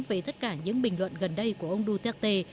về tất cả những bình luận gần đây của ông duterte